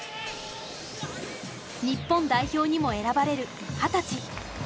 日本代表にも選ばれる二十歳。